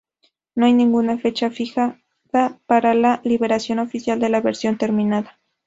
No hay ninguna fecha fijada para la liberación oficial de la versión terminada.